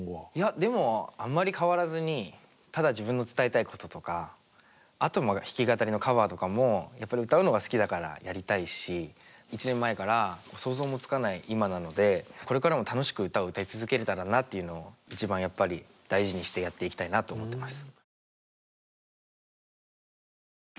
でもあんまり変わらずにただ自分の伝えたいこととかあと弾き語りのカバーとかもやっぱり歌うのが好きだからやりたいし１年前から想像もつかない今なのでこれからも楽しく歌を歌い続けれたらなというのを一番やっぱり大事にしてやっていきたいなと思ってます。